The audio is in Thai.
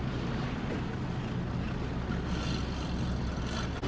สวัสดีครับคุณผู้ชาย